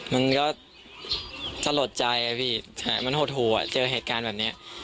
มันก็สะหรับใจมันหดหัวเจอเหตุการณ์แบบนี้